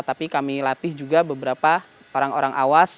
tapi kami latih juga beberapa orang orang awas